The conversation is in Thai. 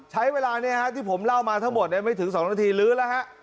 ใช้เวลานี้ที่ผมเล่ามาทั้งหมดไม่ถึง๒นาทีลื้อแล้วฮะ